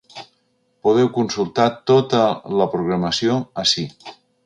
Podeu consultar tota la programació ací.